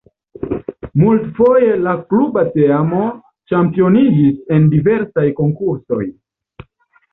Multfoje la kluba teamo ĉampioniĝis en diversaj konkursoj.